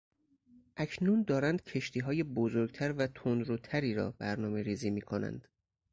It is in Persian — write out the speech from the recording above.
اکنون دارند کشتیهای بزرگتر و تندروتری را برنامه ریزی میکنند.